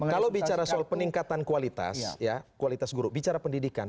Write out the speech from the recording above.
kalau bicara soal peningkatan kualitas ya kualitas guru bicara pendidikan